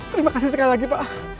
terima kasih sekali lagi pak